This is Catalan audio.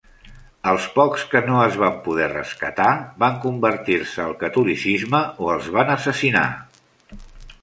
Els pocs que no es van poder rescatar van convertir-se al catolicisme o els van assassinar.